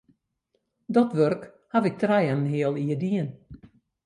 Dat wurk haw ik trije en in heal jier dien.